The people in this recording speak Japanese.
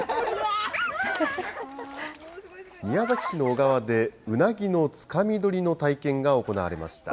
宮崎市の小川で、うなぎのつかみ取りの体験が行われました。